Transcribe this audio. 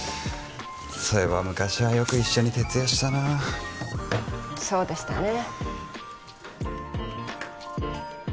そういえば昔はよく一緒に徹夜したなそうでしたね